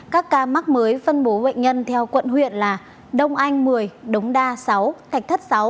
các ca mắc mới phân bố bệnh nhân theo quận huyện là đông anh một mươi đống đa sáu thạch thất sáu